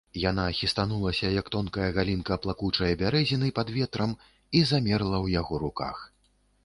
Яна хістанулася, як тонкая галінка плакучае бярэзіны пад ветрам, і замерла ў яго руках.